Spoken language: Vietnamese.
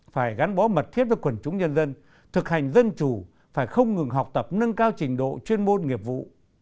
phải gắn bó mật thiết với quần chúng nhân dân thực hành dân chủ phải không ngừng học tập nâng cao trình độ chuyên môn nghiệp vụ